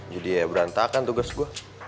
jadi ya berantakan tugas gue